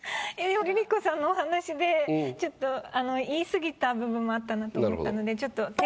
ＬｉＬｉＣｏさんのお話でちょっとあの言い過ぎた部分もあったなと思ったので。